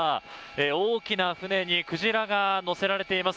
大きな船にクジラが載せられています。